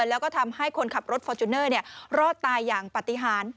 แล้วก็ทำให้คนขับรถฟอร์จูเนอร์รอดตายอย่างปฏิหาร